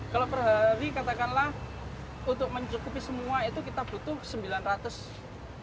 kalau per hari katakanlah untuk mencukupi semua itu kita butuh sembilan ratus